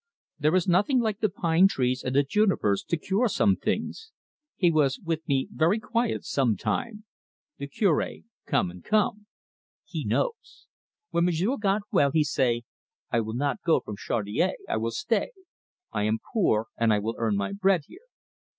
There is nothing like the pine trees and the junipers to cure some things. He was with me very quiet some time. The Cure come and come. He knows. When m'sieu' got well, he say, 'I will not go from Chaudiere; I will stay. I am poor, and I will earn my bread here.